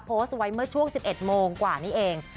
โพสต์ไว้เมื่อช่วง๑๑โมงกว่านี้เอง